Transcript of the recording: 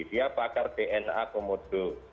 dia pakar dna komodo